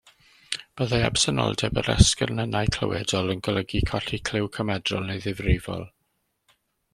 Byddai absenoldeb yr esgyrnynnau clywedol yn golygu colli clyw cymedrol neu ddifrifol.